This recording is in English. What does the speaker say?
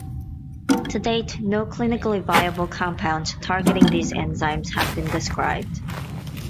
To date, no clinically viable compounds targeting these enzymes have been described.